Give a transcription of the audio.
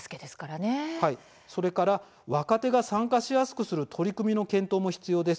それから若手が参加しやすくする取り組みの検討も必要です。